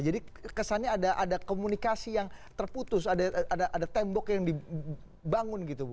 jadi kesannya ada komunikasi yang terputus ada tembok yang dibangun gitu bu